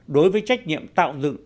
đối với trách nhiệm tạo dựng